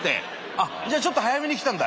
あっじゃあちょっと早めに来たんだ。